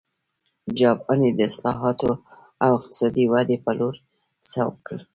جاپان یې د اصلاحاتو او اقتصادي ودې په لور سوق کړ.